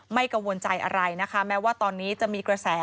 กังวลใจอะไรนะคะแม้ว่าตอนนี้จะมีกระแส